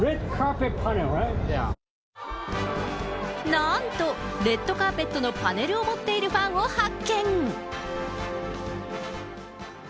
なんと、レッドカーペットのパネルを持っているファンを発見。